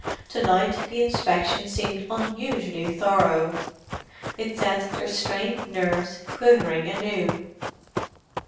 To night the inspection seemed unusually thorough. It set their strained nerves quivering anew.